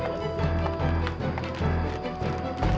bagaimana terjadi dadanya